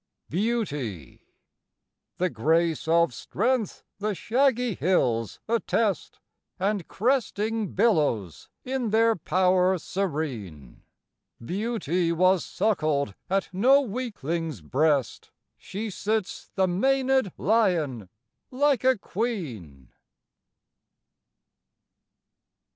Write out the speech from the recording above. BEAUTY. The grace of strength the shaggy hills attest, And cresting billows in their power serene; Beauty was suckled at no weakling's breast, She sits the manëd lion like a queen.